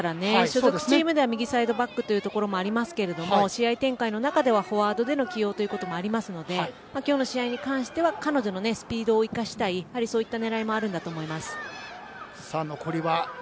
所属チームでは右サイドバックですが試合展開の中ではフォワードでの起用もありますので今日の試合に関しては彼女のスピードを生かしたいそういった狙いもあると思います。